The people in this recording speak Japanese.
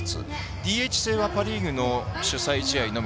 ＤＨ制はパ・リーグの主催試合のみ。